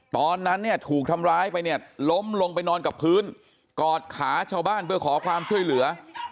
ตอนนั้นเนี่ยถูกทำร้ายไปเนี่ยล้มลงไปนอนกับพื้นกอดขาชาวบ้านเพื่อขอความช่วยเหลือ